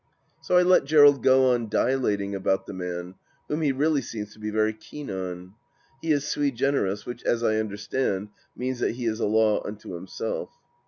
So I let Gerald go on dilating about the man, whom he really seems to be very keen on. He is sui generis, which, as I understand, means that he is a law unto himself.